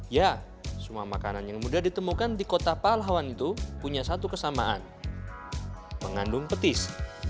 ya semua makanan yang mudah ditemukan di kota palawan itu punya satu kesamaan mengandung petis